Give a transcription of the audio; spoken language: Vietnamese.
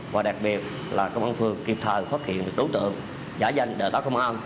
và đặc biệt là công an phương kịp thời phát hiện đối tượng giả danh đại tá công an